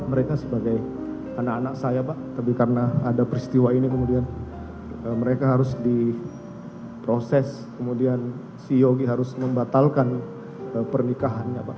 mereka sebagai anak anak saya pak tapi karena ada peristiwa ini kemudian mereka harus diproses kemudian si yogi harus membatalkan pernikahannya pak